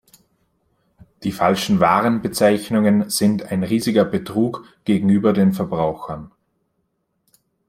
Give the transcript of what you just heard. Die falschen Warenbezeichnungen sind ein riesiger Betrug gegenüber den Verbrauchern.